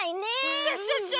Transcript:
クシャシャシャ！